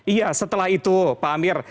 iya setelah itu pak amir